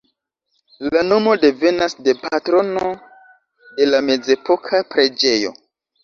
La nomo devenas de patrono de la mezepoka preĝejo.